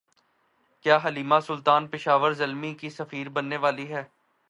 کیا حلیمہ سلطان پشاور زلمی کی سفیر بننے والی ہیں